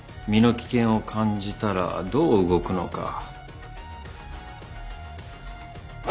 身の危険を感じたらどう動くのか。